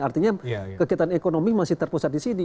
artinya kegiatan ekonomi masih terpusat di sini